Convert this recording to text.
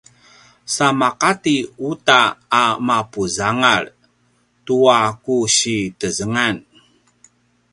sa maqati uta a mapuzangal tua ku si tezengan